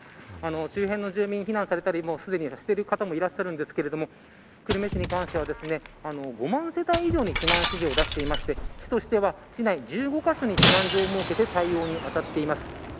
周辺の住民が避難されたりしてる方もいますが久留米市に関しては５万世帯以上に避難指示を出していて市としては市内１５カ所に避難所を設けて対応に当たっています。